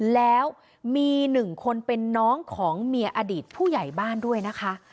แล้วมีหนึ่งคนเป็นน้องของเมียอดีตผู้ใหญ่บ้านด้วยนะคะ